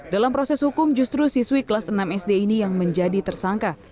dalam proses hukum justru siswi kelas enam sd ini yang menjadi tersangka